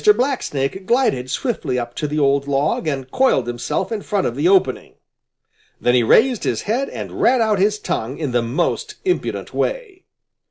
Blacksnake glided swiftly up to the old log and coiled himself in front of the opening. Then he raised his head and ran out his tongue in the most impudent way.